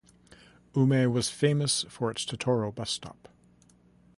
Ume was famous for its Totoro bus stop.